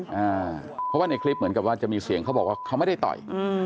เพราะว่าในคลิปเหมือนกับว่าจะมีเสียงเขาบอกว่าเขาไม่ได้ต่อยอืม